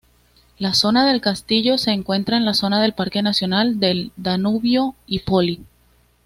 La zona del castillo se encuentra en la zona del Parque Nacional del Danubio-Ipoly.